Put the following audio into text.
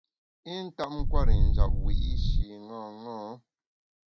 I ntap nkwer i njap wiyi’shi ṅaṅâ.